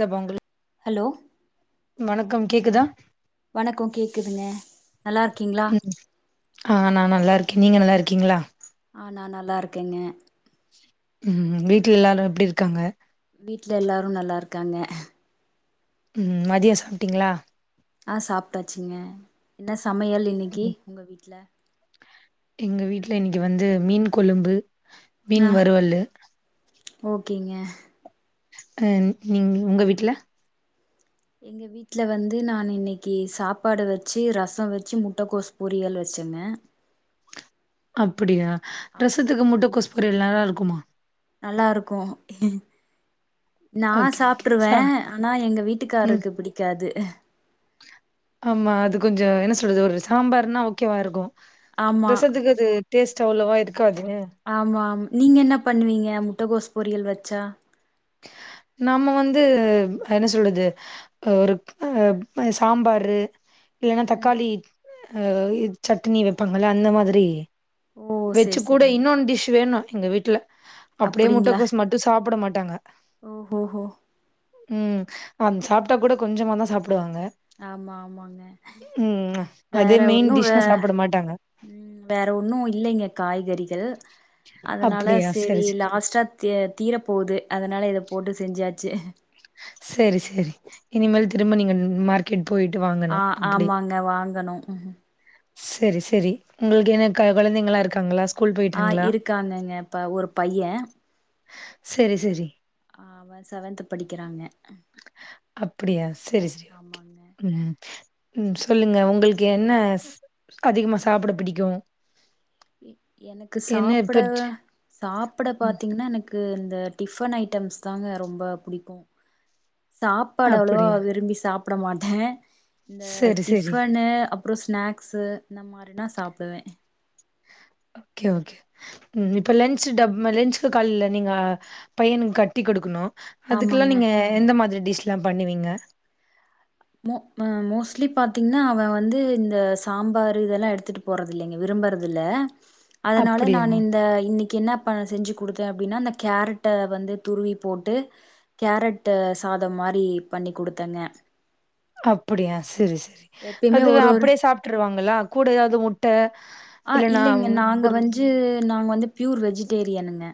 த Pongal hello வணக்கம் கேக்தா வணக்கோ கேக்குதுங்க நல்லா இருக்கீங்களா ம் ஆ நா நல்லா இருக்கே நீங்க நல்லா இருக்கீங்களா ஆ நா நல்லா இருக்கேங்க ம் வீட்ல எல்லாரு எப்டி இருக்காங்க வீட்ல எல்லாரு நல்லா இருக்காங்க ம் மதிய சாப்டீங்களா ஆ சாப்டாச்சுங்க என்ன சமையல் இன்னைக்கி ம். உங்க வீட்ல எங்க வீட்ல இன்னைக்கி வந்து மீன் கொழும்பு மீன் ஆ வருவலு ஓகேங்க அ நீங் உங்க வீட்டுல எங்க வீட் டுல வந்து நா இன்னைக்கி சாப்பாடு வச்சி ரச வச்சு முட்டைக்கோஸ் பொரியல் வச்சங்க அப்டியா ரசத்துக்கு அப்றோ முட்டை கோஸ் பொரியல் நல்லா இருக்குமா நல்லா இருக்கு நா ஓகே ஓகே சாப்ட்ருவே சா ஆனா எங்க ம் வீட்டுக்காரருக்கு புடிக்காது ஆமா அது கொஞ்சோ என்ன சொல்றது ஒரு சாம்பார்னா ஓகேவா இருக்கு ஆமா ரசத்துக்கு அது டேஸ்ட் அவ்ளவா இருக்காதே ஆமாம் நீங்க என்ன பண்ணுவீங்க முட்டகோஸ் பொரியல் வச்சா நாம்ம வந்து என்ன சொல்றது அ ஒரு அ சாம்பாரு இல்லனா ம் தக்காளி அ இ சட்னி வைப்பாங்கள அந்த மாதிரி ஓ வச்சு சேரி கூட சேரிங்க இன்னொன்னு டிஷ் வேணு எங்க வீட்ல அப்டியே முட்டக்கோஸ் மட்டு சாப்ட மாட்டாங்க ஒ ஓ ஓ ம் அ சாப்ட்டா கூட கொஞ்சமா தா சாப்டுவாங்க ஆமா ஆமாங்க ம் அதே வேற மெயின் ஒன்னு வே டிஷ்ன்னா சாப்ட மாட்டாங்க ம் வேற ஒண்ணு இல்லைங்க காய்கறிகள் அதனால அப்டியா சரி சேரி சரி லாஸ்டா த தீர போகுது அதனால இத போட்டு செஞ்சாச்சு சேரி சேரி இனிமேல் திரும்ப நீங்க மார்க் கெட் போயிட்டு வாங்கனு ஆ அப்டி ஆமாங்க வாங்கணு சேரி சேரி உங்களுக்கு என்ன கா கொழந்தைங்களா இருக்காங்களா ஸ்கூல் ஆ போயிட்டாங்களா இருக்காங்கங்க இப்ப ஒரு பைய சேரி சேரி ஆ அவ செவன்த் படிக்கிறாங்க அப்டியா சேரி சேரி ஓகே ஆமாங்க ம் ம் சொல்லுங்க உங்களுக் கு அப்றோ என்ன அதிகமா சாப்ட புடிக்கு எனக்கு சாப்ட சாப்ட ம் பாத்தீங்கன்னா எனக்கு இந்த டிஃபன் ஐட்டம்ஸ் தாங்க ரொம்ப புடிக்கு சாப்பாடு அவ்ளவா அப்டியா விரும்பி சாப்ட மாட்ட இந்த சரி சரி டிஃபனு அப் அப்றோ ஸ்நாக்ஸு இந்த மாரினா சாப்டுவே ஓகே ஓகே ம் லன்ட்ச் டப் லென்ட்சுக்கு காலில நீங்க பையனுக்கு கட்டி கொடுக்கணு அதுக்கெல்லா ஆமாங்க நீங்க எந்த மாதிரி டிஷ்ஸ்லா பண்ணுவிங்க மோ மோஸ்ட்லி பாத்தீங்கன்னா அவ வந்து இந்த சாம்பாரு இதெல்லா எடுத்துட்டு போறதில்லைங்க விரும்புறதில்ல அதனால அப்படியா நான் இந்த இன்னைக் கி என்ன பண் செஞ்சு கொடுத்தேனா அப்டின்னா அந்த கேரட்ட வந்து துருவி போட்டு கேரட்டு சாதம் மாரி பண்ணி கொடுத்தேங்க அப்டியா சேரி சேரி எப்பயுமே அது ஒரு ஒரு அப்டியே சாப்ட்டுருவாங்களா கூட ஏதாவது முட்ட ஆ இல்லன்னா இல்லைங்க நாங்க ஒரு வந்து நாங்க வந்து ப்யூர் வெஜிடேரியனுங்க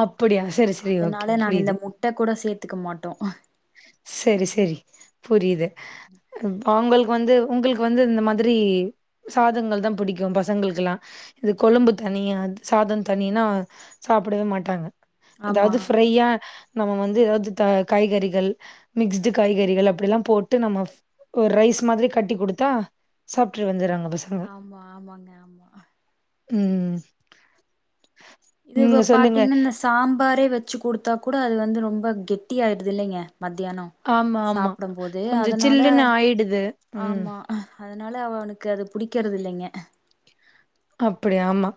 அப்டியா சேரி சேரி ஓகே அதனால நாங்க புரியுது இந்த முட்ட கூட சேத்துக்க மாட்டோ சேரி சேரி புரியுது அவங்களுக்கு வந்து உங்களுக்கு வந்து இந்த மாதிரி சாதங்கள் தா புடிக்கு பசங்களுக்கெல்லா இது கொழும்பு தனியா சாதம் தணினா சாப்டவே மாட்டாங்க ஆமா ஏதாவது ஆமா ஃப்ரையா நம்ம வந்து ஏதாவது தா காய்கறி கள் மிக்ஸ்டு காய்கறிகள் அப்டில்லா போட்டு நம்ம ஒரு ரைஸ் மாதிரி கட்டி குடுத்தா சாப்ட்ரு வந்துறாங்க பச ஆமா ஆமாங்க ஆமா ம் இதுவ நீங்க சொல்லுங்க. பாத்தீங்கன்னா ஸ் சாம்பாரே வச்சு குடுத்தா கூட அது வந்து ரொம்ப கெட்டி ஆயிருதுல்லைங்க மத்தியானோ ஆமா, ஆமா. சாப்டம்போது கொஞ்சம் அதனால சில்லுன்னு ஆயிடுது. ம். ஆமா அதனால அவ அவனுக்கு அது புடிக்கிறதில்லைங்க அப்படி ஆமா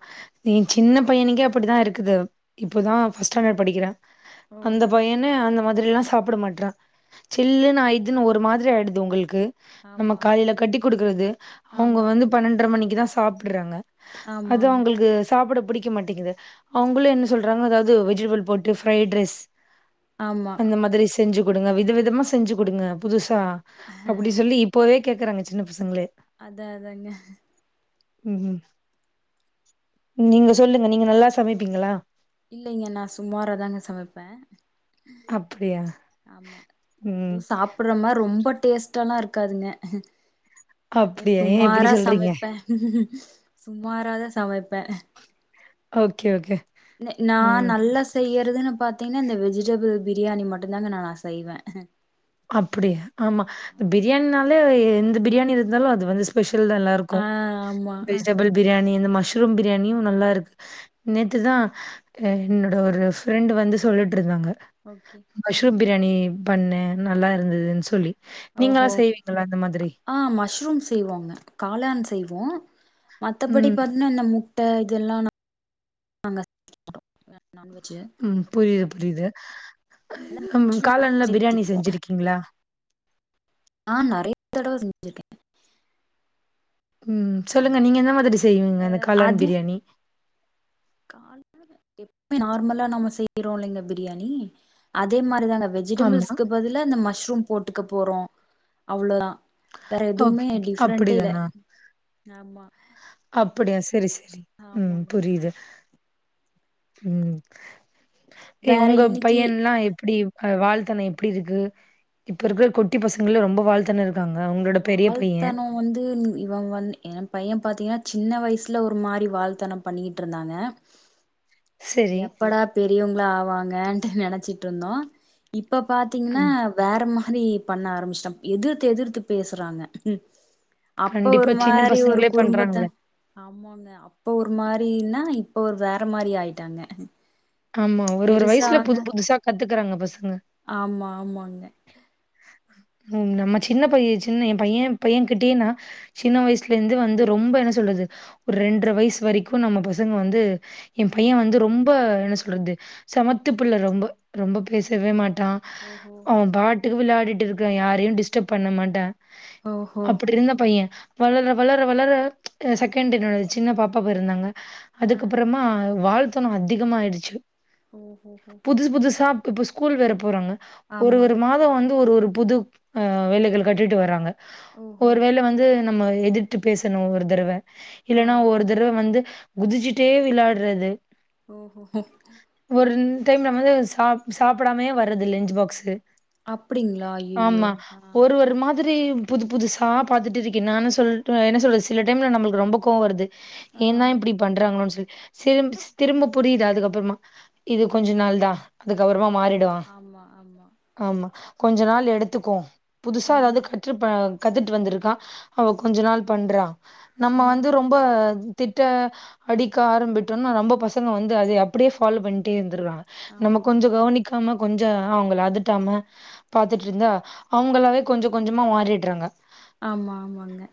நீ சின்ன பையனுக்கே அப்டிதா இருக்குது இப்போதா ஃபர்ஸ்ட் ஸ்டாண்டடு படிக்கிறா ஓ அந்த பையனே அந்த மாதிரில்லா சாப் புடமாட்றா சில்லுனு ஆயிட்துன்னு ஒரு மாரி ஆயிடுது ஒங்களுக்கு ஆமா நம்ம ஆமா காலையில கட்டி குடுக்குறது அவுங்க ஆமா வந்து பன்னெண்டரை மணிக்குதா சாப்டுறாங்க அது ஆமாங்க அவுங்களுக்கு சாப்புட பிடிக்க மாட்டேங்குது அவுங்குளு என்ன சொல்றாங்க அதாவுது வெஜிடபிள் போட்டு ஃபிரைட் ரைஸ் ஆமா அந்த மாதிரி செஞ்சு குடுங்க வித விதமா செஞ்சு குடுங்க புதுசா அப்டி சொல்லி இப்பவே கேக்குறாங்க சின்ன பசங்களே அதா அதாங்க ம் ம் நீங்க சொல்லுங்க நீங்க நல்லா சமைப்பீங்களா இல்லைங்க நா சுமாராதாங்க சமைப்ப அப்டியா ஆமா எதுவு சாப்டுற மாரி ரொம்ப டேஸ்டால்லா இருக்காதுங்க எதோ அப்படியா? ஏன் இப்படி சுமாரா சொல்றீங்க? சமைப்பே சுமாராதா சமைப்பே ஓகே, ஓகே. நே நா ம். நல்லா ச செய்யறதுன்னு பாத்தீங்கன்னா இந்த வெஜிடபிள் பிரியாணி மட்டுந்தாங்க நா செய்வே அப்டியா ஆமா ஆமா பிரியாணினாலே அது எந்த பிரியாணி இருந்தாலு அது வந்து ஸ்பெஷல்தா எல்லாருக் கு ஆ ஆமா ஆ வெஜிடபிள் பிரியாணி இந்த மஷ்ரூம் பிரியாணியு நல்லா இருக்கு நேத்துதா என்னோட ஃப்ரெண்ட் வந்து சொல்லிட்டு இருந்தாங்க ஓகே மஷ்ரூம் பிரியாணி பண்ணே நல்லா இருந்ததுன்னு சொல்லி நீங்களா ஓஹோ செய்வீங்களா அந்த மாதிரி ஆ மஷ்ரூம் செய்வாங்க காளான் செய்வோ மத்தபடி ம், பாத்தீனா நம்மோ முட்ட இதெல்லா நா நாங்க நான்வெஜ்ஜு ம் புரியுது புரியுது காளான்ல பிரியாணி சேத்திக்குவோ செஞ்சிருக்கீங்களா ஆ நெறைய தடவ செஞ்சிருக்கே ம் சொல்லுங்க ஆமா நீங்க எந்த மாதிரி செய்வீங்க இந்த காளான் பிரியாணி [inaudible] எப்பயு நார்மலா நம்ம செய்றோலிங்க பிரியாணி அதே மாரிதாங்க வெஜ் ஆமா. ஜிடபிள்ஸ்க்கு பதிலா இந்த மஷ்ரூம் போட்டுக்க போறோ அவ்ளதா வேற ஓகே, எதுவுமே ஓகே. டிஃப்ரெண்டே இல்ல ஆமா அப்புடியா சேரி சேரி ம் ஆமாங்க புரியுது ம் ஏ வேற உங்க இன்னைக்கி பையன்லா எப்புடி அ வால்தனோ எப்டி இருக்கு இப்ப இருக்கிற குட்டி பசங்களா ரொம்ப வால்த்தனோ இருக் காங்க உங்க வால்தனோ இப்போ வந்து ம் இவ வந்த் என் பைய பாத்தீங்கன்னா சின்ன வயசுல ஒரு மாரி வால்தனோ பண்ணிக்கிட்டு இருந்தாங்க சரி. எப்படா பெரியவங்க்ளா ஆவாங்கன்ட்டு நெனைச்சிட்டு இருந்தோ இப்ப பாத்தீங்கன்னா ம். வேற மாரி பண்ண ஆரம்ஸ்ட்டம் எதிர்த்து எதிர்த்து பேசுறாங்க அப்ப கண்டிப்பா ஒரு சின்ன மாரி ஒரு பசங்களே குறும்புத்த பண்றாங்களே. ஆமாங்க அப்ப ஒரு மாதிர் இருந்தா இப்ப ஒரு வேற மாரி ஆயிட்டாங்க ஆமா ஒரு ஒரு பெருசா வயசுல புது ஆக புதுசா கத்துக்குறாங்க பசங்க ஆமா ஆமாங்க ம் நம்ம சின்ன பை சின்ன எ பைய பையன்க்குடீன்னா சின்ன வயசுல இந்து வந்து ரொம்ப என்ன சொல்றது ஒரு ரெண்ர வயசு வரைக்கு நம்ம பசங்க வந்து எ ஆ பைய வந்து ரொம்ப என்ன சொல்றது சமத்துப்புள்ள ரொம்ப ரொம்ப பேசவே மாட்டா ஓஹோ அவ பாட்டுக்கு விளாடிட்டு இருக்றா யாரையு டிஸ்டர்ப் பண்ண மாட்டா ஓஹோ அப்படி இருந்த பைய வளர வளர வளர செகண்ட் இன்னோரு சின்ன பாப்பா பிறந்தாங்க ஆ அதுக்கப்புறமா ஆ வாழ்த்தனோ அதிகமாயிடுச்சு ஓஹோ புதுசு புதுசா ப் இப்ப ஸ்கூல் வேற போறாங்க ஒரு ஆமா ஒரு மா தோ வந்து ஒரு ஒரு புது ஆ வேலைகள் காட்டிட்டு வராங்க ஓஹோ ஒரு வேல வந்து நம்ம எதிர்த்து பேசணு ஒரு தடவ ஆ இல்லன்னா ஒரு தடவ வந்து குதிச்சுட்டே விளாற்றது ஓஹோ ஒரு ரெண் டைம்ன்னமோது சாப் சாப்பிடாமையே வர்ரது இல்ல லன்ச் பாக்ஸு அப்டிங்களா ஐயையோ ஆமா ஆ ஒரு ஒரு மாதிரி புது புதுசா பாத்துட்டு இருக்க என்னான்னு சொல்ட்டு என்ன சொல்றது சில டைம்ல நம்மளுக்கு ரொம்ப கோவ் வருது ஆ ஏன்தா இப்படி பண்றாங்களோன் சொல்லி சேரி ம் திரும்ப புரியுது அதுக்கப்புறமா இது கொஞ்ச நாள் தா அதுக்கப்புறமா மாறிடுவா ஆமா ஆமா ஆமா கொஞ்ச நாள் எடுத்துக்கு புதுசா எதாவது ம் கத் ட்ருப்பா கத்துட்டு வந்திருக்கா அவ கொஞ்ச நாள் பண்றா நம்ம வந்து ம் ரொம்ப திட்ட அடிக்க ஆரம்பிட்டோன்னா ரொம்ப பசங்க வந்து அதைய அப்படியே ஃபாலோ பண்ட்டே இருந்துற்றாங்க நம்ம ஆமா கொஞ்ச கவனிக்காம கொஞ்ச அவங்கள அதுட்டாம பாத்துட்ருந்தா அவங்களாவே கொஞ்ச கொஞ்சமா மாறிட்ற்றாங்க ஆமா ஆமாங்க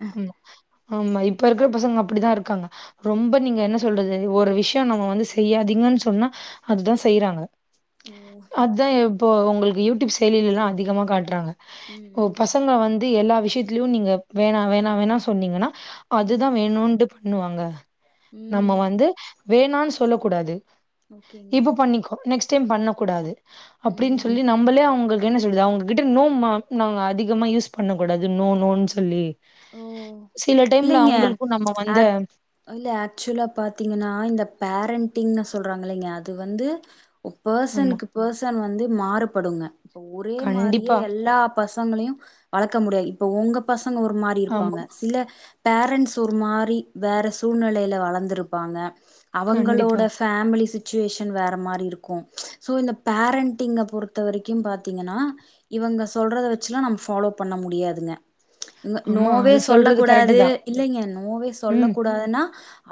ஆமா இப்ப இருக்கிற பசங்க அப்படிதா இருக்காங்க ரொம்ப நீங்க என்ன சொல்றது ஒரு விஷ்யோ நம்ம வந்து செய்யாதீங்கன் சொன்னா அதுதா செய்யிறாங்க ஓ அத்தா இப்போ உங்களுக்கு யூடியூப் செயலில்லா அதிகமா காட்ற்றாங்க ம் ம் பசங்க வந்து எல்லா விஷ்யத் திலு நீங்க வேணா வேணா வேணா சொன்னீங்கன்னா ம் அதுதா வேணுன்ட்டு பண்ணுவாங்க ம் நம்ம ம் வந்து வேணான் சொல்ல கூடாது ஓகேங்க இப்ப பண்ணிக்கோ நெக்ஸ்ட் டைம் பண்ணக்கூடாது அப்படின் ம் சொல்லி ந ம்பலே அவங்களுக்கு என்ன சொல்றது அவங்ககிட்ட நோ மா நாங்க அதிகமா யூஸ் பண்ணக் கூடாது நோ நோன் சொல்லி ஓ சில டைம்ல இல்லைங்க அவங்களுக்கு நம்ம வந்து ஆக் இல்ல ஆக்சுவலா பாத்தீங்கன்னா இந்த பேரண்டண்டிங்ன்னு சொல்றாங்க இல்லைங்க அது வந்து ஆமா. பர்சனுக்கு பர்சன் வந்து மாறுபடுங்க இப்ப ஒரே மாரியே கண்டிப்பா. எல்லா பசங்களயு வளக்க முடியாது இப்ப உங்க பசங்க ஒரு மாரி ஆமா. இருப்பாங்க சில பேரண்ட்ஸ் ஒரு மாரி வேற சூழ்நலையில வளந்துருப்பாங்க அவங்களோட கண்டிப்பா. ஃபேமிலி சுச்சுவேஷன் வேற மாரி இருக்கு ஸோ இந்த பேரண்டிங்க பொறுத்த வரைக்கு பாத்தீங்கன்னா இவங்க சொல்றத வச்சுல்லா நம் ஃபாலோ பண்ண முடியாதுங்க ன்வ ஆமா. நோவே அது சொல்ல சொல்றது கரெக்ட்டு கூடாது தான். இல்லைங்க நோவே சொல்ல ம். கூடா ன்னா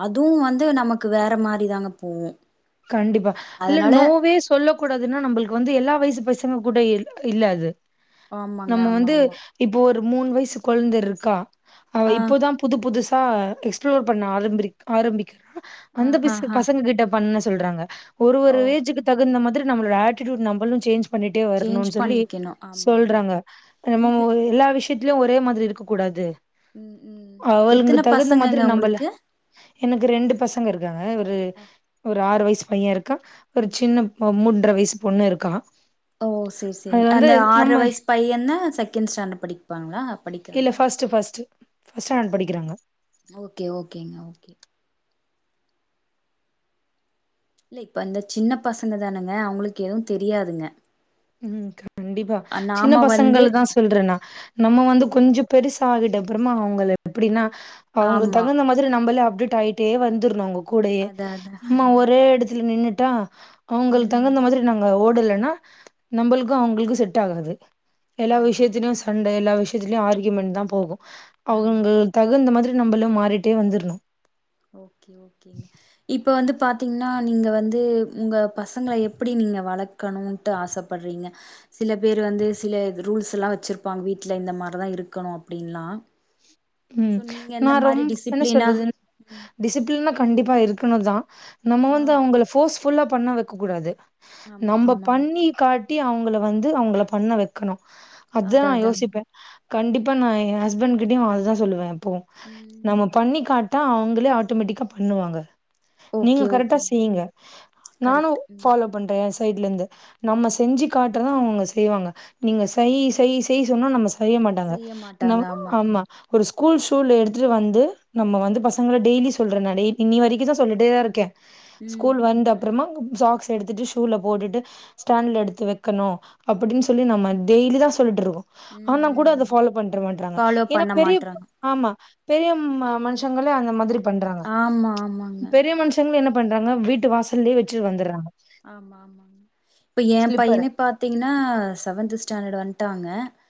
அதுவு வந்து நமக்கு வேற மாறி தாங்க போவும் கண்டிப்பா இல்ல நோவே சொ ல்லக் கூடாதுன்னா நம்மளுக்கு வந்து எல்லா வயசு பசங்க கூட இல்ல அது ஆமாங்க நம்ம ஆமா வந்து ஆமா இப்போ ஒரு மூணு வயசு கொழந்த இருக்கா அவ ஆ இப்பதா புது புதுசா எக்ஸ்ப்ளோர் பண்ண ஆரம்பரி ஆரம்பிக்கிற ஆ அந்த ஹ பிச ஹ பசங்க கிட்ட பண்ண சொல்றாங்க ஒரு ஓ ஒரு ஏஜுக்கு தகுந்த மாதிரி நம்மளோட ஆட்டிடியூட் நம்மளும் சேஞ்ச் பண்ணிட்டே சேஞ்ச் வரனோனு சொல்லி பண்ணிக்கணு ஆமா ஆமா சொல்றாங்க நம்ம மோ இது எல்லா விஷய த்துலயு ஒரே மாதிரி இருக்க கூடாது ம் ம் அவளுங்க எத்தன தகுந்த மாதிரி பசங்கங்க நம்மல உங்களுக்கு எனக்கு ரெண்டு பசங்க இருக்காங்க ஒரு ஒரு ஆறு வயசு பைய இருக்கான் ஒரு சின்ன மூன்றர வயசு பொண்ணு இருக்கா ஓ சரி சரி அது வந்து அந்த ஆற்ற நம்ம வயசு பையன்ன செகண்ட் ஸ்டாண்டர்ட் படிப்பாங்ளா இல்ல ஃபர்ஸ்ட்டு ஃபர்ஸ்ட்டு ஃபர்ஸ்ட் ஸ்டாண்டர்ட் படிக்கிறாங்க ஓகே ஓகேங்க ஓகே இல்ல இப்ப அந்த சின்ன பசங்க தானுங்க அவங்களுக்கு எதுவு தெரியாதுங்க ம் கண்டிப்பா சின்ன நாம வந்து பசங்கள் தா சொல்றனா நம்ம வந்து ம் கொஞ்ச பெருசாகிட்ட அப்றமா அவுங்கள எப்டின்னா அவுங்க ஆமா தகுந்த மா திரி நம்மளே அப்டேட் ஆயிட்டே வந்துருனோ அவுங்க கூடயே அதா அதா நம்ம அதா ஒரே எடத்துல நின்னுட்டா அவுங்களுத் தகுந்த ம் மாதிரி நாங்க ஓடலன்னா நம்பளுக்கு அவுங்களுக்கு செட் ஆகாது எல்லா ஆமா விஷயத்திலயு ஆமா அண்ட எல்லா விஷயத்திலயு ஆர்க்யுமெண்ட் தா போகும் ஆமா அவுங்க தகுந்த மாதிரி நம்பளு மாரிட்டே வந்துரனும் ஓகே ஓகே இப்ப வந்து பாத்திங்ன்னா நீங்க வந்து உங்க பசங்கள எப்டி நீங்க வள க்கணுன்ட்டு ஆசப்பட்றீங்க சில பேர் வந்து சில ரூல்ஸ்ல்லா வெச்சிருப்பாங்க வீட்ல இந்த மாதி தான் இருக்கனும் அப்டின்லா ம் சோ நீங்க நா எந்த மாரி ரொம்ப என்ன டிசிப்ளினா சொல்றது ம் டிசிப்ளின்னா கண்டிப்பா இருக்கணு தா நம்ம ஆ வந்து அவுங்கள போர்ஸ்ஃபுல்லா பண்ண வைக்கக் கூடாது ஆமா நம்ம ஆமாங்க பண்ணி காட்டி அவுங்கள வந்து அவுங்கள பண்ண வெக்கனும் அதான் அதா நா அதாங்க யோசிப்பேன் கண்டிப்பா நா எ ஹஸ்பண்ட் கிட்டயும் அது தான் சொல்லுவேன் எப்பவும் ம் பண்ணிக்க காட்ட அவுங்களே ஆட்டோமேட்டிக்கா பண்ணுவாங்க நீங்க ஓகே கரெக்டா ஓகேங்க செய்யங்க நானு கரெக்ட் ம் ஃபாலோ பண்றேன் என் சைட்ல இருந்து நம்ம செஞ்சு காட்டுறதா அவுங்க செய்வாங்க நீங்க செய் செய் செய் சொன்னா நம்ம செய்ய மாட்டாங்க செய்ய ந மாட்டாங்க ஆமா ஒரு ஸ்கூல் ஷூல எடுத்துட்டு வந்து நம்ம வந்து பசங்கள டெய்லி சொல்ற நா டே இன்னி வரைக்கோ தா சொல்லிட்டே தா இருக்கேன் ம் ஸ்கூல் வந்த அப்றமா சாக்ஸ் எடுத்துட்டு ஷூல போட்டுட்டு ஸ்டாண்ட்ல எடுத்து வக்கனோ அப்டின்னு சொல்லி நம்ம டெய்லி தா சொல்லிட்டு இருக்கோம் ம் ஆனா கூட ம் அத ம் ஃபாலோ பண்ற மாட்றாங்க ஃபாலோ ஏன்னா பண்ண பெரிய மாட்றாங்க ஆமா பெரிய ம மனுஷங்களே அந்த மாதிரி பண்றாங்க ஆமா ஆமாங்க பெரிய மனுஷ ங்களே என்ன பண்றாங்க வீட்டு வாசல்லே வெச்சிட்டு வந்துறாங்க ஆமா ஆமா ஆமா இப்ப என் ஸ்லிப்பர் பையனே பாத்தீங்ன்னா செவன்த்து ஸ்டாண்டர்ட் வந்துட்டாங்க